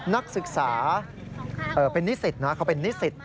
นักศึกษาเป็นนิสิตนะเขาเป็นนิสิต